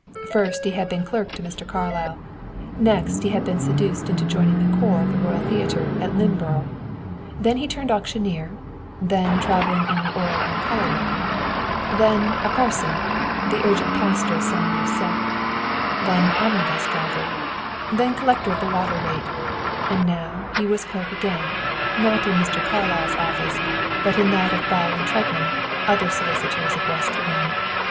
First, he had been clerk to Mr. Carlyle; next, he had been seduced into joining the corps of the Theatre Royal at Lynneborough; then he turned auctioneer; then travelling in the oil and color line; then a parson, the urgent pastor of some new sect; then omnibus driver; then collector of the water rate; and now he was clerk again, not in Mr. Carlyle's office, but in that of Ball & Treadman, other solicitors of West Lynne.